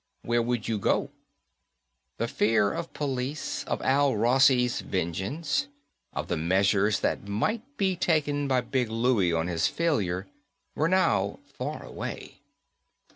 "Where would you go?" The fear of police, of Al Rossi's vengeance, of the measures that might be taken by Big Louis on his failure, were now far away.